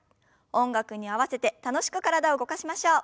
音楽に合わせて楽しく体を動かしましょう。